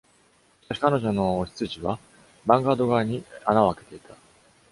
しかし彼女の雄羊は「ヴァンガード」側に穴を開けていた。